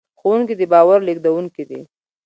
ښوونکي د باور لېږدونکي دي.